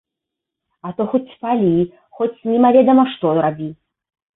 А то хоць спалі, хоць немаведама што рабі.